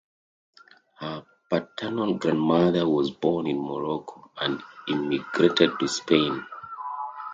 Her paternal grandmother was born in Morocco and emigrated to Spain.